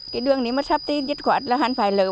cái đường nếu mà sắp tiết khoản là hẳn phải lỡ